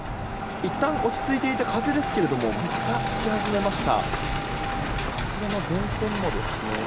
いったん落ち着いていた風ですがまた吹き始めました。